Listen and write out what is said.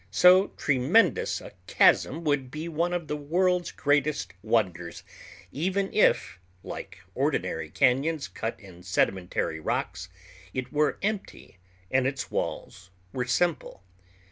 So tremendous a chasm would be one of the world's greatest wonders even if, like ordinary cañons cut in sedimentary rocks, it were empty and its walls were simple.